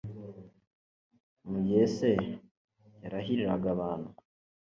mu gihe se yarahiraga abantu